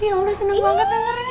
ya allah seneng banget dengerin ini